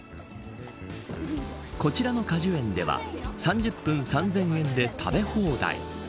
こちらの果樹園では３０分３０００円で食べ放題。